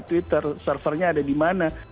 twitter servernya ada di mana